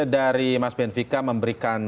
dari mas benvika memberikan